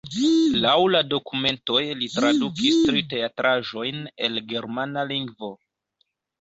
Laŭ la dokumentoj li tradukis tri teatraĵojn el germana lingvo.